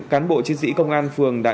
cán bộ chiến dị công an phường đã